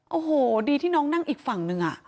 โอ้โหดีที่น้องนั่งอีกฝั่งหนึ่ง